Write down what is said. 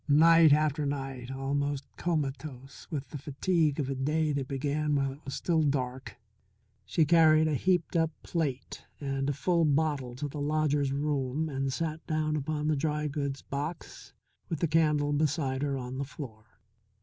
Night after night, almost comatose from the fatigue of a day that began while it was still dark, she carried a heaped up plate and a full bottle to the lodger's room and sat down upon the dry goods box with the candle beside her on the floor.